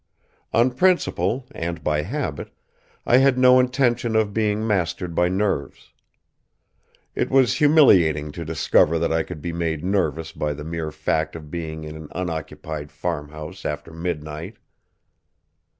On principle and by habit I had no intention of being mastered by nerves. It was humiliating to discover that I could be made nervous by the mere fact of being in an unoccupied farmhouse after midnight.